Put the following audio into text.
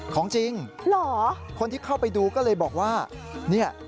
ของจริงเหรอคนที่เข้าไปดูก็เลยบอกว่าเนี่ย